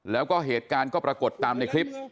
แล้วก็เหตุการณ์ก็ปรากฏตามในคลิป